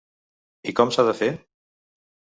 I com s’ha de fer?